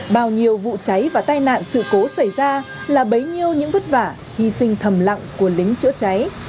bao nhiêu vụ cháy và tai nạn sự cố xảy ra là bấy nhiêu những vất vả hy sinh thầm lặng của lính chữa cháy